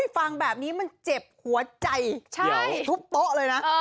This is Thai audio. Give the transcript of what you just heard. ฟังแบบนี้มันเจ็บหัวใจทุบโต๊ะเลยนะ